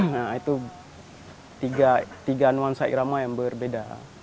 nah itu tiga nuansa irama yang berbeda